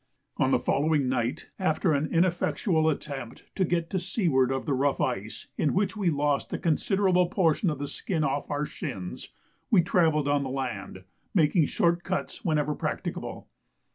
On the following night, after an ineffectual attempt to get to seaward of the rough ice, in which we lost a considerable portion of the skin off our shins, we travelled on the land, making short cuts whenever practicable.